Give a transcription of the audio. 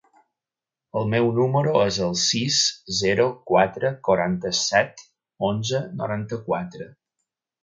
El meu número es el sis, zero, quatre, quaranta-set, onze, noranta-quatre.